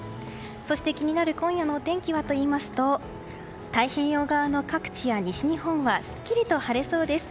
そして気になる今夜のお天気はといいますと太平洋側の各地や西日本はスッキリと晴れそうです。